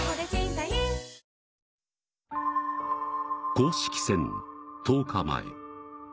公式戦１０日前。